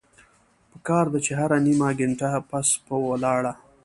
پکار ده چې هره نيمه ګنټه پس پۀ ولاړه